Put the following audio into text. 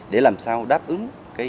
để làm sao đáp ứng